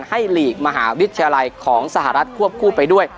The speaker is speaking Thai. หลีกมหาวิทยาลัยของสหรัฐควบคู่ไปด้วย